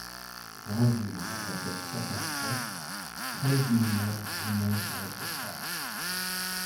Vingt jours après cette catastrophe, treize mineurs remontent à la surface.